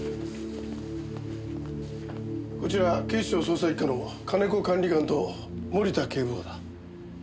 こちら警視庁捜査一課の金子管理官と森田警部補だ。